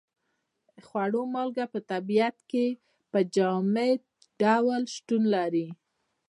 د خوړو مالګه په طبیعت کې په جامد ډول شتون لري.